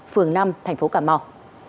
phường năm thành phố cà mau